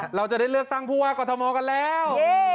เราจะได้เลือกตั้งผู้ว่ากรทมกันแล้ว